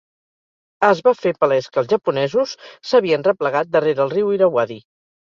Es va fer palès que els japonesos s'havien replegat darrere el riu Irauadi.